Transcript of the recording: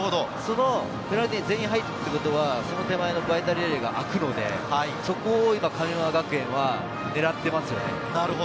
ペナルティーに全員入るということはバイタルエリアが空くので、そこを神村学園は狙っていますね。